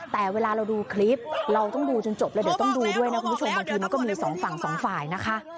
แต่เวลาเราดูคลิปเราต้องดูจนจบแล้วเดี๋ยวต้องดูด้วยนะคุณผู้ชมบางทีมันก็มีสองฝั่งสองฝ่ายนะคะ